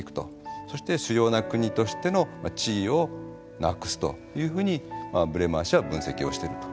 そして主要な国としての地位をなくすというふうにブレマー氏は分析をしてるということですね。